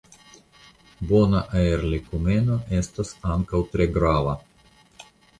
Bona aerlikumeno estas ankaŭ tre grava.